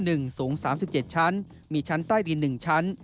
สูง๓๗ชั้นมีชั้นใต้ดิน๑ชั้น